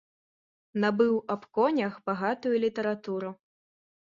Набыў аб конях багатую літаратуру.